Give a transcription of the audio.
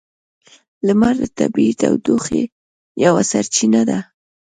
لمر د طبیعی تودوخې یوه سرچینه ده.